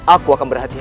aku akan berhati hati